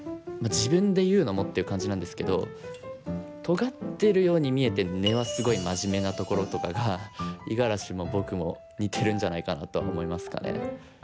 自分で言うのもっていう感じなんですけどとがってるように見えて根はすごいマジメなところとかが五十嵐も僕も似てるんじゃないかなとは思いますかね。